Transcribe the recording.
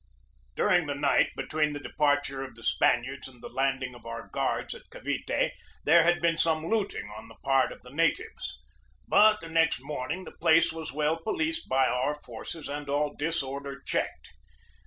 During the night, between the departure of the Spaniards and the landing of our guards at Cavite, there had been some looting on the part of the na tives. But the next morning the place was well po liced by our forces and all disorder checked.